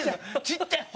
ちっちゃい。